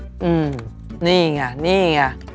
อืมนี่ไงนี่ไง